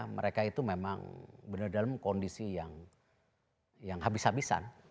mereka itu memang benar dalam kondisi yang habis habisan